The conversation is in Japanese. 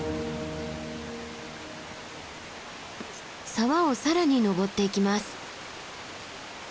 沢を更に登っていきます。